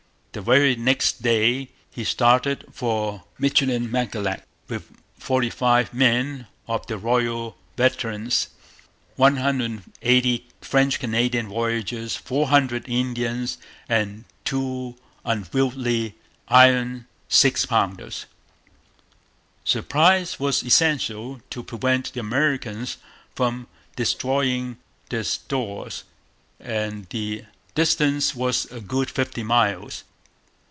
The very next day he started for Michilimackinac with 45 men of the Royal Veterans, 180 French Canadian voyageurs, 400 Indians, and two 'unwieldy' iron six pounders. Surprise was essential, to prevent the Americans from destroying their stores; and the distance was a good fifty miles.